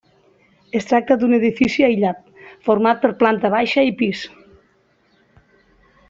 Es tracta d'un edifici aïllat format per planta baixa i pis.